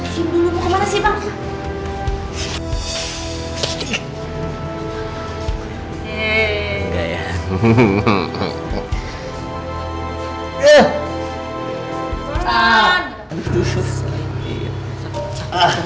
kim dulu mau kemana sih bang